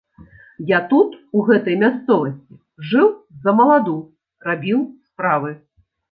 Я тут, у гэтай мясцовасці, жыў ззамаладу, рабіў справы.